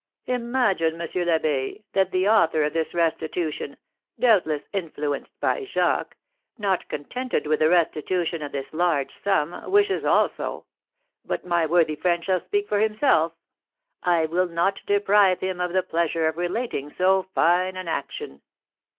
"Imagine, M. l'Abbé, that the author of this restitution, doubtless influenced by Jacques, not contented with the restitution of this large sum, wishes also But my worthy friend shall speak for himself I will not deprive him of the pleasure of relating so fine an action."